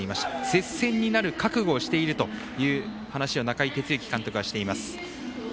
接戦になる覚悟をしているという話を中井哲之監督はしています。